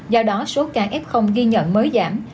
do đó số ca f ghi nhận mới giảm